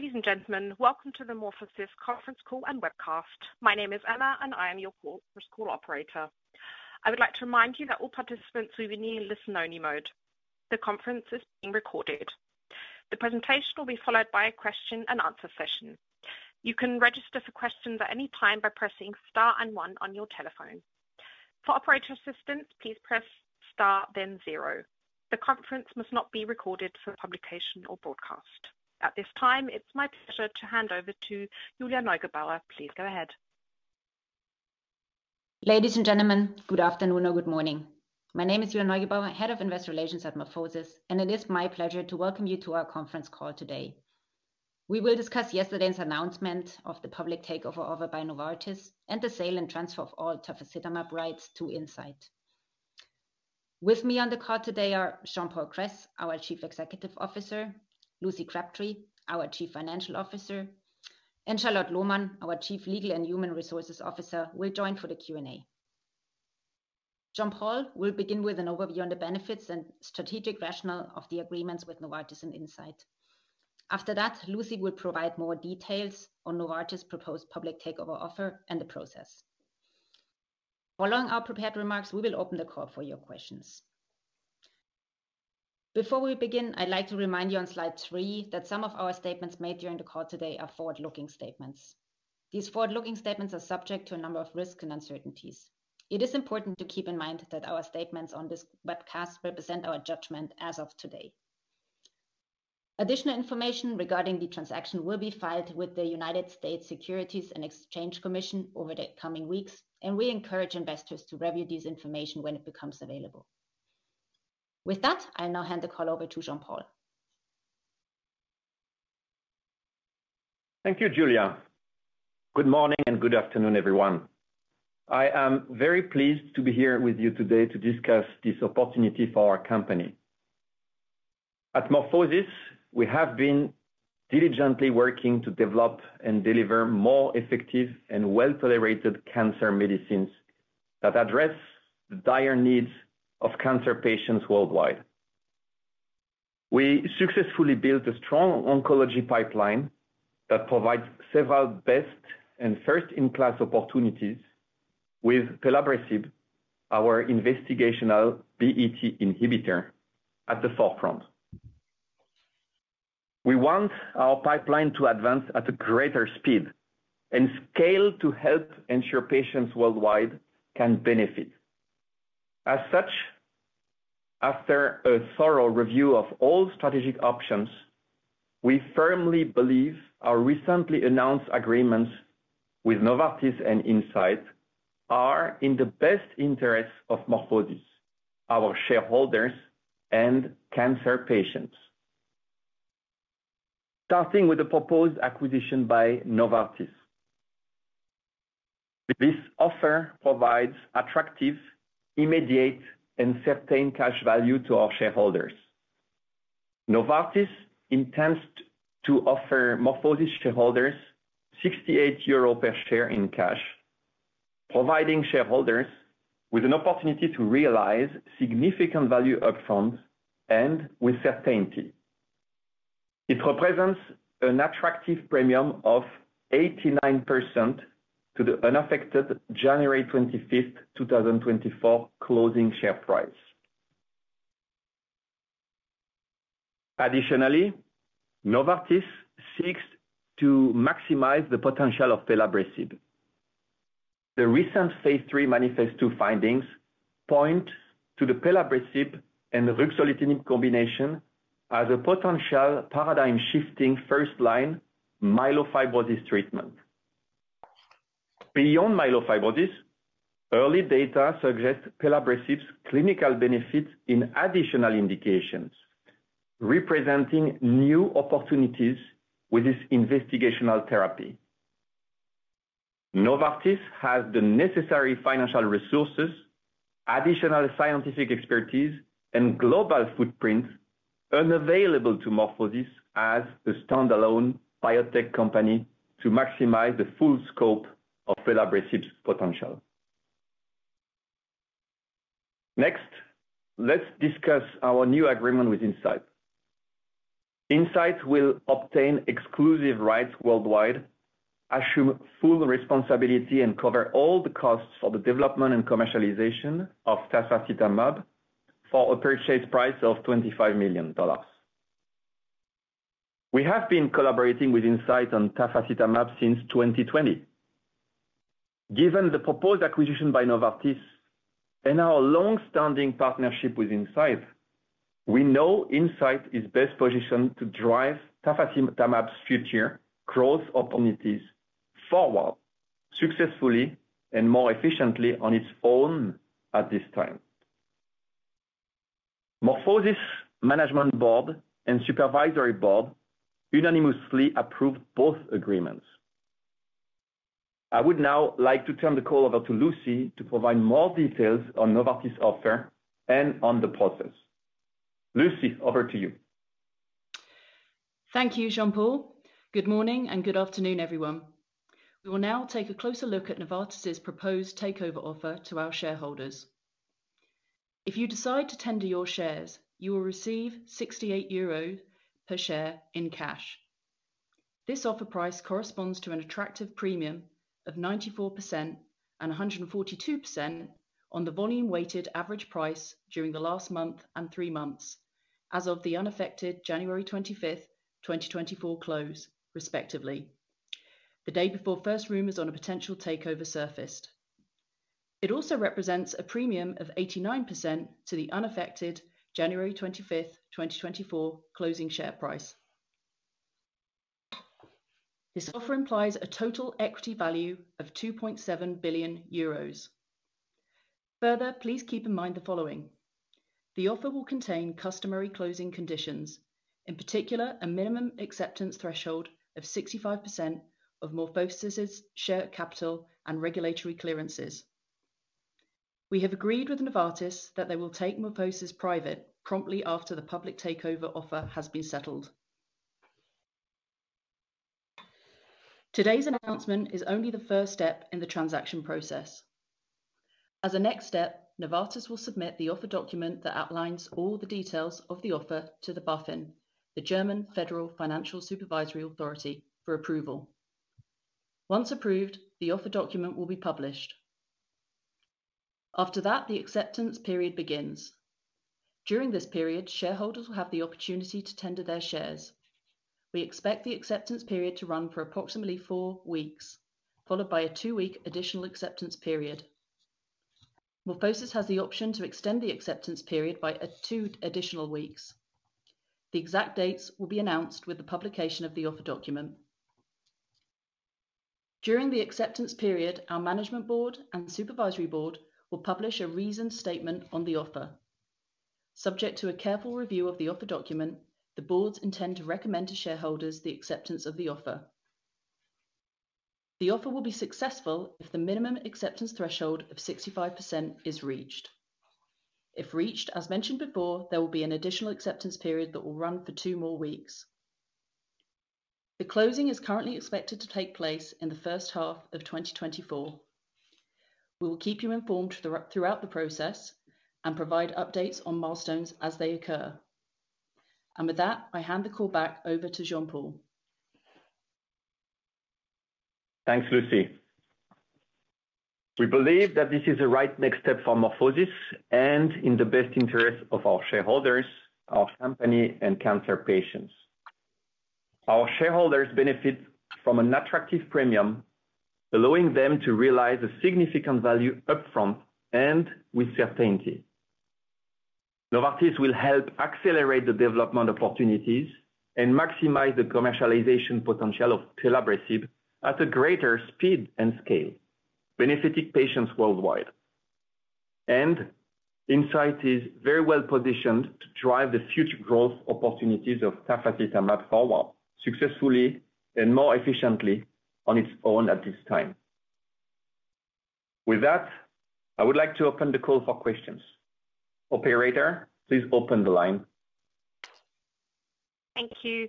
Ladies and gentlemen, welcome to the MorphoSys conference call and webcast. My name is Emma, and I am your call operator. I would like to remind you that all participants will be in listen-only mode. The conference is being recorded. The presentation will be followed by a question-and-answer session. You can register for questions at any time by pressing star and one on your telephone. For operator assistance, please press star, then zero. The conference must not be recorded for publication or broadcast. At this time, it's my pleasure to hand over to Julia Neugebauer. Please go ahead. Ladies and gentlemen, good afternoon or good morning. My name is Julia Neugebauer, Head of Investor Relations at MorphoSys, and it is my pleasure to welcome you to our conference call today. We will discuss yesterday's announcement of the public takeover offer by Novartis, and the sale and transfer of all Tafasitamab rights to Incyte. With me on the call today are Jean-Paul Kress, our Chief Executive Officer, Lucy Crabtree, our Chief Financial Officer, and Charlotte Lohmann, our Chief Legal and Human Resources Officer, will join for the Q&A. Jean-Paul will begin with an overview on the benefits and strategic rationale of the agreements with Novartis and Incyte. After that, Lucy will provide more details on Novartis' proposed public takeover offer and the process. Following our prepared remarks, we will open the call for your questions. Before we begin, I'd like to remind you on slide three, that some of our statements made during the call today are forward-looking statements. These forward-looking statements are subject to a number of risks and uncertainties. It is important to keep in mind that our statements on this webcast represent our judgment as of today. Additional information regarding the transaction will be filed with the United States Securities and Exchange Commission over the coming weeks, and we encourage investors to review this information when it becomes available. With that, I'll now hand the call over to Jean-Paul. Thank you, Julia. Good morning, and good afternoon, everyone. I am very pleased to be here with you today to discuss this opportunity for our company. At MorphoSys, we have been diligently working to develop and deliver more effective and well-tolerated cancer medicines that address the dire needs of cancer patients worldwide. We successfully built a strong oncology pipeline that provides several best and first-in-class opportunities with Pelabresib, our investigational BET inhibitor, at the forefront. We want our pipeline to advance at a greater speed and scale to help ensure patients worldwide can benefit. As such, after a thorough review of all strategic options, we firmly believe our recently announced agreements with Novartis and Incyte are in the best interest of MorphoSys, our shareholders, and cancer patients. Starting with the proposed acquisition by Novartis. This offer provides attractive, immediate, and certain cash value to our shareholders. Novartis intends to offer MorphoSys shareholders 68 euros per share in cash, providing shareholders with an opportunity to realize significant value upfront and with certainty. It represents an attractive premium of 89% to the unaffected January 25, 2024, closing share price. Additionally, Novartis seeks to maximize the potential of Pelabresib. The recent phase III MANIFEST-2 findings point to the Pelabresib and the Ruxolitinib combination as a potential paradigm-shifting, first-line myelofibrosis treatment. Beyond myelofibrosis, early data suggests Pelabresib's clinical benefits in additional indications, representing new opportunities with this investigational therapy. Novartis has the necessary financial resources, additional scientific expertise, and global footprint unavailable to MorphoSys as a standalone biotech company to maximize the full scope of Pelabresib's potential. Next, let's discuss our new agreement with Incyte. Incyte will obtain exclusive rights worldwide, assume full responsibility, and cover all the costs for the development and commercialization of Tafasitamab for a purchase price of $25 million. We have been collaborating with Incyte on Tafasitamab since 2020. Given the proposed acquisition by Novartis and our long-standing partnership with Incyte, we know Incyte is best positioned to drive Tafasitamab's future growth opportunities forward successfully and more efficiently on its own at this time. MorphoSys Management Board and Supervisory Board unanimously approved both agreements. I would now like to turn the call over to Lucy to provide more details on Novartis' offer and on the process. Lucy, over to you. Thank you, Jean-Paul. Good morning, and good afternoon, everyone. We will now take a closer look at Novartis' proposed takeover offer to our shareholders. If you decide to tender your shares, you will receive 68 euros per share in cash. This offer price corresponds to an attractive premium of 94% and 142% on the volume weighted average price during the last month and three months as of the unaffected January 25, 2024 close, respectively, the day before first rumors on a potential takeover surfaced. It also represents a premium of 89% to the unaffected January 25, 2024, closing share price. This offer implies a total equity value of 2.7 billion euros. Further, please keep in mind the following: The offer will contain customary closing conditions, in particular, a minimum acceptance threshold of 65% of MorphoSys' share capital and regulatory clearances. We have agreed with Novartis that they will take MorphoSys private promptly after the public takeover offer has been settled. Today's announcement is only the first step in the transaction process. As a next step, Novartis will submit the offer document that outlines all the details of the offer to the BaFin, the German Federal Financial Supervisory Authority, for approval. Once approved, the offer document will be published. After that, the acceptance period begins. During this period, shareholders will have the opportunity to tender their shares. We expect the acceptance period to run for approximately four weeks, followed by a two-week additional acceptance period. MorphoSys has the option to extend the acceptance period by a two additional weeks. The exact dates will be announced with the publication of the offer document. During the acceptance period, our management board and supervisory board will publish a reasoned statement on the offer. Subject to a careful review of the offer document, the boards intend to recommend to shareholders the acceptance of the offer. The offer will be successful if the minimum acceptance threshold of 65% is reached. If reached, as mentioned before, there will be an additional acceptance period that will run for two more weeks. The closing is currently expected to take place in the first half of 2024. We will keep you informed throughout the process and provide updates on milestones as they occur. With that, I hand the call back over to Jean-Paul. Thanks, Lucy. We believe that this is the right next step for MorphoSys and in the best interest of our shareholders, our company, and cancer patients. Our shareholders benefit from an attractive premium, allowing them to realize a significant value upfront and with certainty. Novartis will help accelerate the development opportunities and maximize the commercialization potential of pelabresib at a greater speed and scale, benefiting patients worldwide. Incyte is very well positioned to drive the future growth opportunities of tafasitamab forward, successfully and more efficiently on its own at this time. With that, I would like to open the call for questions. Operator, please open the line. Thank you.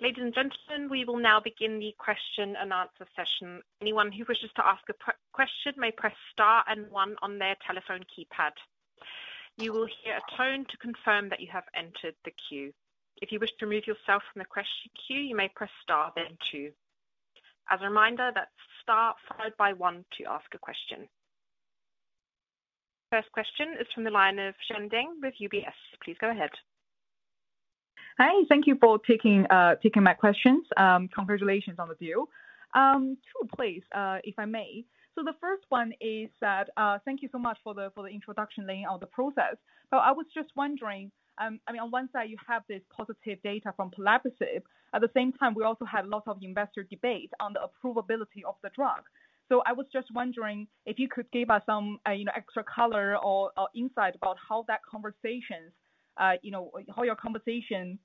Ladies and gentlemen, we will now begin the question and answer session. Anyone who wishes to ask a question may press Star and One on their telephone keypad. You will hear a tone to confirm that you have entered the queue. If you wish to remove yourself from the question queue, you may press Star, then Two. As a reminder, that's Star followed by One to ask a question. First question is from the line of Xian Deng with UBS. Please go ahead. Hi, thank you for taking my questions. Congratulations on the deal. Two please, if I may. So the first one is that, thank you so much for the introduction laying out the process. But I was just wondering, I mean, on one side you have this positive data from Pelabresib, at the same time, we also had lots of investor debate on the approvability of the drug. So I was just wondering if you could give us some, you know, extra color or insight about how that conversations, you know, how your conversation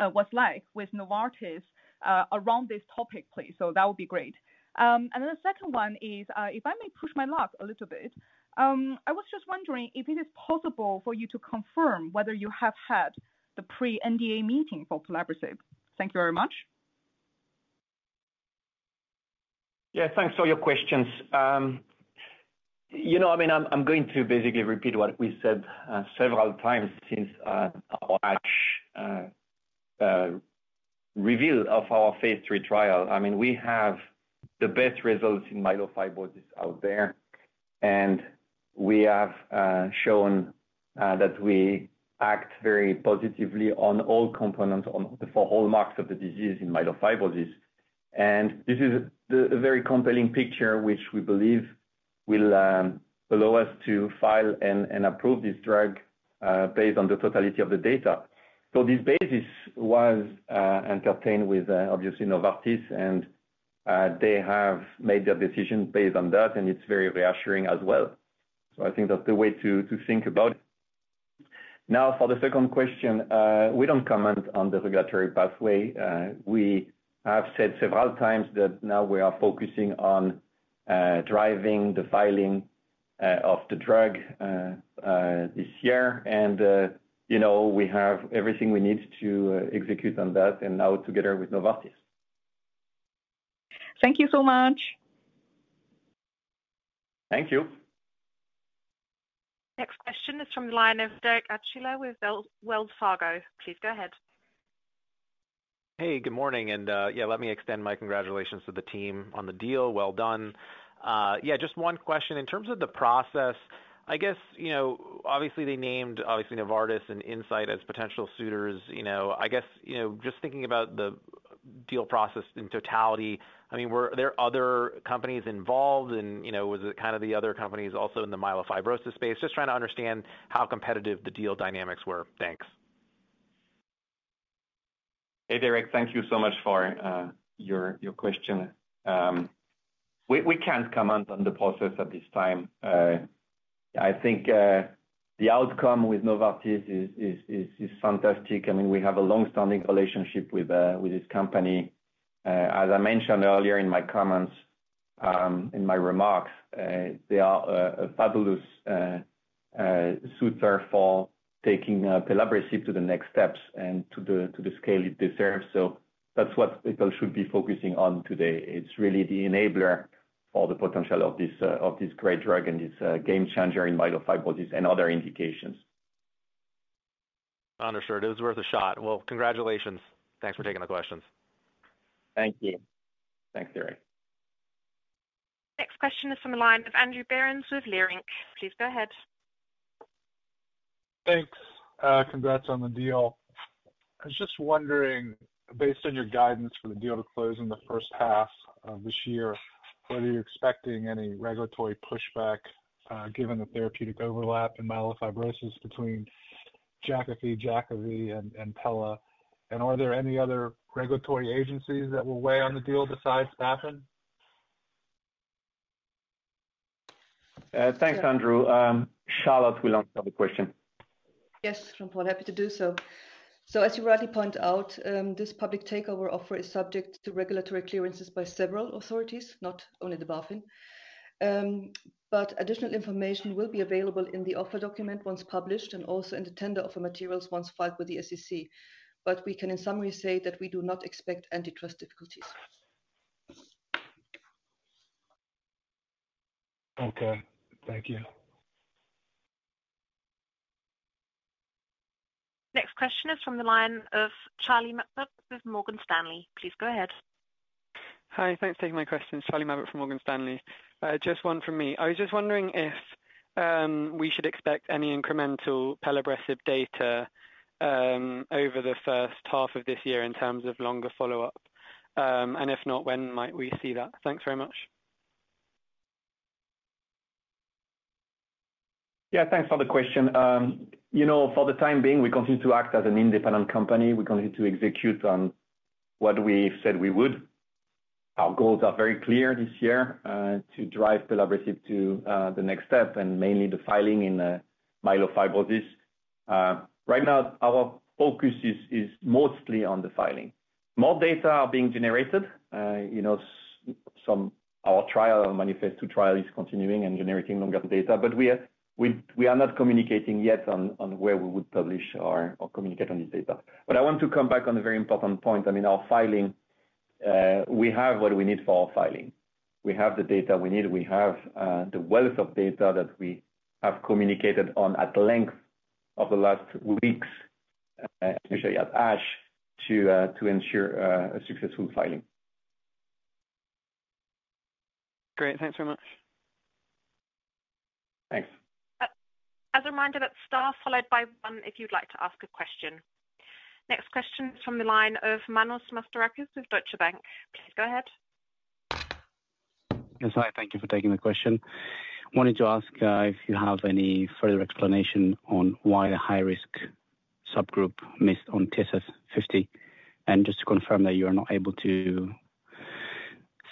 was like with Novartis around this topic, please. So that would be great. And then the second one is, if I may push my luck a little bit, I was just wondering if it is possible for you to confirm whether you have had the Pre-NDA meeting for Pelabresib. Thank you very much. Yeah, thanks for your questions. You know, I mean, I'm going to basically repeat what we said several times since our actual reveal of our phase III trial. I mean, we have the best results in myelofibrosis out there, and we have shown that we act very positively on all components on the 4 hallmarks of the disease in myelofibrosis. And this is a very compelling picture which we believe will allow us to file and approve this drug based on the totality of the data. So this basis was entertained with obviously Novartis, and they have made their decision based on that, and it's very reassuring as well. So I think that's the way to think about it. Now, for the second question, we don't comment on the regulatory pathway. We have said several times that now we are focusing on driving the filing of the drug this year, and you know, we have everything we need to execute on that, and now together with Novartis. Thank you so much. Thank you. Next question is from the line of Derek Archila with Wells Fargo. Please go ahead. Hey, good morning. Yeah, let me extend my congratulations to the team on the deal. Well done. Yeah, just one question. In terms of the process, I guess, you know, obviously they named obviously Novartis and Incyte as potential suitors, you know. I guess, you know, just thinking about the deal process in totality, I mean, were there other companies involved? And, you know, was it kind of the other companies also in the myelofibrosis space? Just trying to understand how competitive the deal dynamics were. Thanks. Hey, Derek, thank you so much for your question. We can't comment on the process at this time. I think the outcome with Novartis is fantastic. I mean, we have a long-standing relationship with this company. As I mentioned earlier in my comments, in my remarks, they are a fabulous suitor for taking Pelabresib to the next steps and to the scale it deserves. So that's what people should be focusing on today. It's really the enabler for the potential of this great drug and this game changer in myelofibrosis and other indications. Understood. It was worth a shot. Well, congratulations. Thanks for taking the questions. Thank you. Thanks, Derek. Next question is from the line of Andrew Berens with Leerink. Please go ahead. Thanks. Congrats on the deal. I was just wondering, based on your guidance for the deal to close in the first half of this year, whether you're expecting any regulatory pushback, given the therapeutic overlap in myelofibrosis between Jakafi, Jakavi, and Pela? And are there any other regulatory agencies that will weigh on the deal besides BaFin? Thanks, Andrew. Charlotte will answer the question. Yes, sure, Paul. Happy to do so. So as you rightly point out, this public takeover offer is subject to regulatory clearances by several authorities, not only the BaFin. But additional information will be available in the offer document once published and also in the tender offer materials, once filed with the SEC. But we can, in summary, say that we do not expect antitrust difficulties. Okay. Thank you. Next question is from the line of Charlie Mabbutt with Morgan Stanley. Please go ahead. Hi, thanks for taking my question. Charlie Mabbutt from Morgan Stanley. Just one from me. I was just wondering if we should expect any incremental Pelabresib data over the first half of this year in terms of longer follow-up. And if not, when might we see that? Thanks very much. Yeah, thanks for the question. You know, for the time being, we continue to act as an independent company. We continue to execute on what we said we would. Our goals are very clear this year to drive Pelabresib to the next step and mainly the filing in myelofibrosis. Right now, our focus is mostly on the filing. More data are being generated, you know, some... Our trial, MANIFEST-2 trial, is continuing and generating longer data, but we are not communicating yet on where we would publish or communicate on this data. But I want to come back on a very important point. I mean, our filing, we have what we need for our filing. We have the data we need. We have the wealth of data that we have communicated on at length over the last weeks, especially at ASH, to ensure a successful filing. Great. Thanks very much. Thanks. As a reminder, that's star followed by one, if you'd like to ask a question. Next question from the line of Emmanuel Papadakis with Deutsche Bank. Please go ahead. Yes, hi. Thank you for taking the question. Wanted to ask if you have any further explanation on why the high-risk subgroup missed on TSS 50? And just to confirm that you are not able to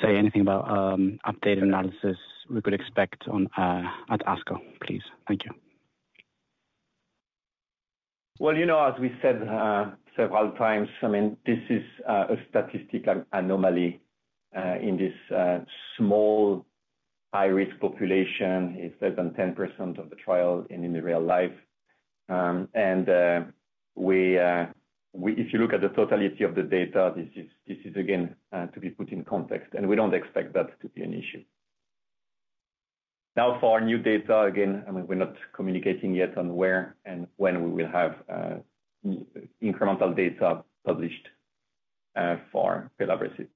say anything about updated analysis we could expect on at ASCO, please. Thank you. Well, you know, as we said several times, I mean, this is a statistical anomaly in this small, high-risk population. It's less than 10% of the trial and in real life. And if you look at the totality of the data, this is, this is again to be put in context, and we don't expect that to be an issue. Now for our new data, again, I mean, we're not communicating yet on where and when we will have incremental data published for Pelabresib.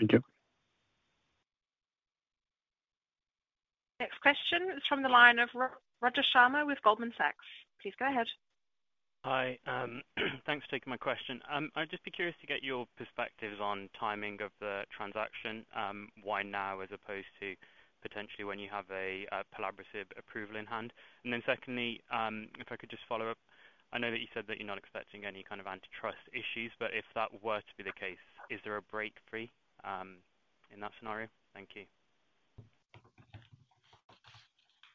Thank you. Next question is from the line of Rajan Sharma with Goldman Sachs. Please go ahead. Hi. Thanks for taking my question. I'd just be curious to get your perspectives on timing of the transaction. Why now, as opposed to potentially when you have a Pelabresib approval in hand? And then secondly, if I could just follow up. I know that you said that you're not expecting any kind of antitrust issues, but if that were to be the case, is there a break free in that scenario? Thank you.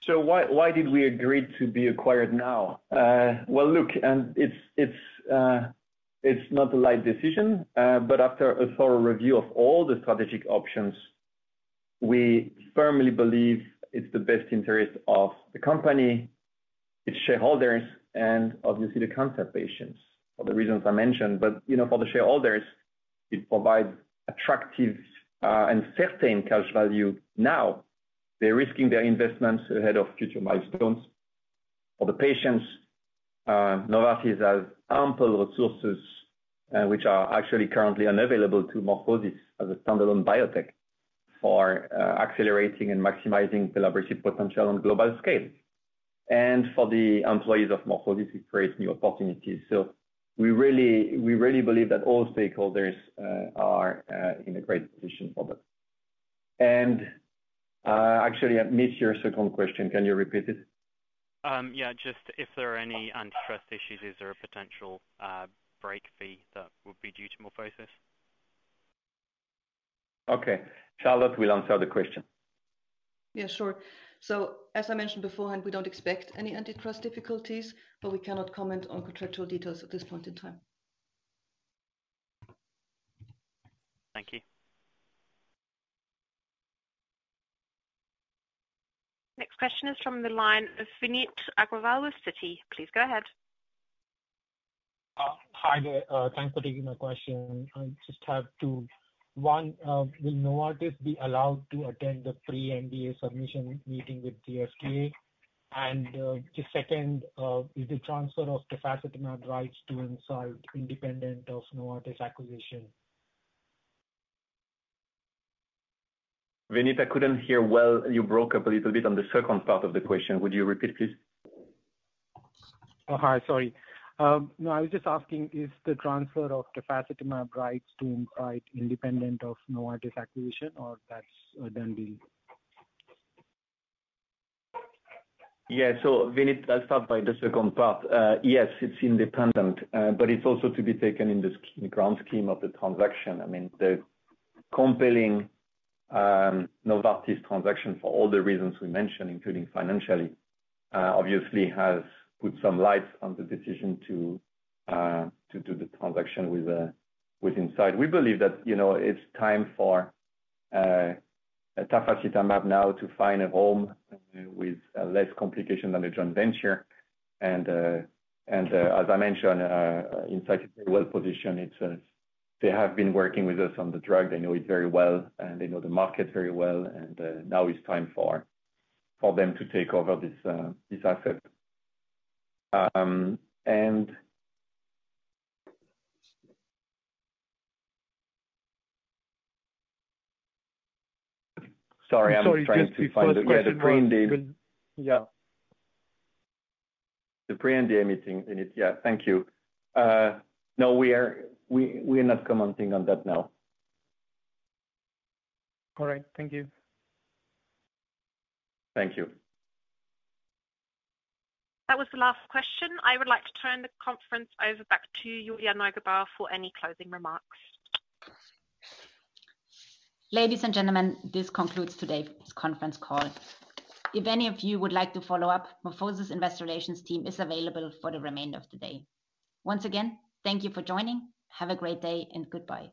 So why, why did we agree to be acquired now? Well, look, it's, it's, it's not a light decision, but after a thorough review of all the strategic options. We firmly believe it's the best interest of the company, its shareholders, and obviously the cancer patients, for the reasons I mentioned. But, you know, for the shareholders, it provides attractive, and certain cash value now. They're risking their investments ahead of future milestones. For the patients, Novartis has ample resources, which are actually currently unavailable to MorphoSys as a standalone biotech for, accelerating and maximizing collaborative potential on global scale. And for the employees of MorphoSys, it creates new opportunities. So we really, we really believe that all stakeholders, are, in a great position for that. And, actually, I missed your second question. Can you repeat it? Yeah, just if there are any antitrust issues, is there a potential break fee that would be due to MorphoSys? Okay. Charlotte will answer the question. Yeah, sure. So as I mentioned beforehand, we don't expect any antitrust difficulties, but we cannot comment on contractual details at this point in time. Thank you. Next question is from the line of Vineet Agrawal with Citi. Please go ahead. Hi there. Thanks for taking my question. I just have two. One, will Novartis be allowed to attend the Pre-NDA submission meeting with the FDA? And the second is the transfer of Tafasitamab rights to Incyte independent of Novartis acquisition? Vineet, I couldn't hear well. You broke up a little bit on the second part of the question. Would you repeat, please? Oh, hi. Sorry. No, I was just asking, is the transfer of Tafasitamab rights to Incyte independent of Novartis acquisition, or that's done deal? Yeah. So Vineet, I'll start by the second part. Yes, it's independent, but it's also to be taken in the grand scheme of the transaction. I mean, the compelling Novartis transaction for all the reasons we mentioned, including financially, obviously has put some light on the decision to do the transaction with Incyte. We believe that, you know, it's time for Tafasitamab now to find a home with less complication than a joint venture. And as I mentioned, Incyte is well-positioned. It's, they have been working with us on the drug. They know it very well, and they know the market very well. And now it's time for them to take over this asset. And sorry, I'm trying to find the pre-NDA. Yeah. The pre-NDA meeting, Vineet. Yeah. Thank you. No, we are not commenting on that now. All right. Thank you. Thank you. That was the last question. I would like to turn the conference over back to Julia Neugebauer for any closing remarks. Ladies and gentlemen, this concludes today's conference call. If any of you would like to follow up, MorphoSys Investor Relations team is available for the remainder of the day. Once again, thank you for joining. Have a great day and goodbye.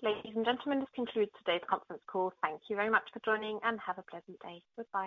Ladies and gentlemen, this concludes today's conference call. Thank you very much for joining, and have a pleasant day. Goodbye.